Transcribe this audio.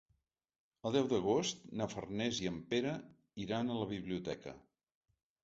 El deu d'agost na Farners i en Pere iran a la biblioteca.